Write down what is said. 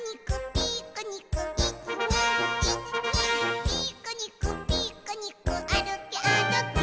「ピクニックピクニックあるけあるけ」